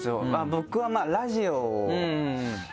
僕はラジオを。